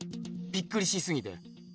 びっくりしすぎて。